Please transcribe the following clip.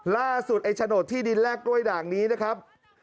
ไอ้โฉนดที่ดินแลกกล้วยด่างนี้นะครับ